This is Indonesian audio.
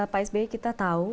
pak sbe kita tahu